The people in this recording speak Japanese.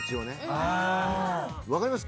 分かります？